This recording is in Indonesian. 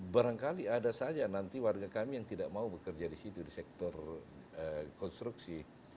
barangkali ada saja nanti warga kami yang tidak mau bekerja di situ di sektor konstruksi